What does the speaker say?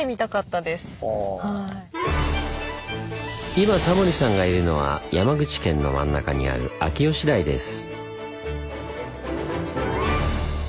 今タモリさんがいるのは山口県の真ん中にある秋吉台です。